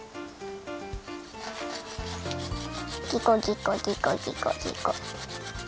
ギコギコギコギコ。